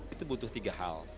itu butuh tiga hal